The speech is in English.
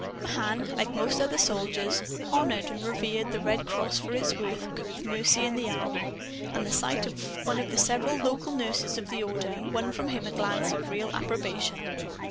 Mahan, like most other soldiers, honored and revered the Red Cross for its work of mercy in the army. And the sight of one of the several local nurses of the Order won from him a glance of real approbation.